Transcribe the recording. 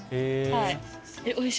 はい。